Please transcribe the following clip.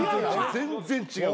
全然違う。